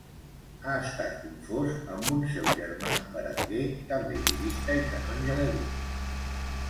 Ha estat confós amb un seu germà Berenguer, també jurista i canonge de Vic.